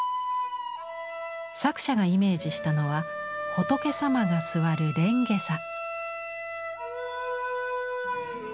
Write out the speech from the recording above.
作者がイメージしたのは仏様が座る蓮華座。